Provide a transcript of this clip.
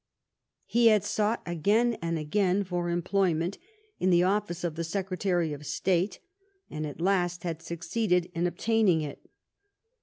He had sought again and again for employment in the office of the Secretary of State, and at last had succeeded in obtaining it.